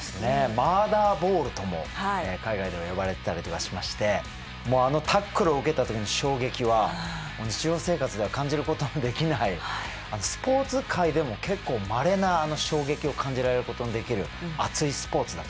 マーダーボールとも海外では呼ばれてたりとかしましてあのタックルを受けた時の衝撃は日常生活では感じることのできないスポーツ界でも結構まれな衝撃を感じられることのできる熱いスポーツだと思いますね。